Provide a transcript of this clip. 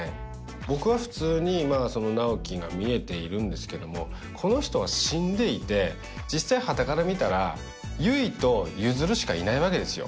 僕は普通に直木が見えているんですけどもこの人は死んでいて実際はたから見たら悠依と譲しかいないわけですよ